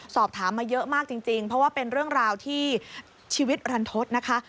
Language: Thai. สอบถามมาเยอะมากจริงเพราะว่าเป็นเรื่องราวที่ชีวิตรันทศนะคะ